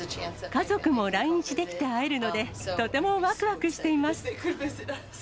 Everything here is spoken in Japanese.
家族も来日できて会えるので、とてもわくわくしています。